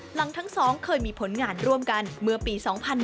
หลังทั้งสองเคยมีผลงานร่วมกันเมื่อปี๒๕๕๙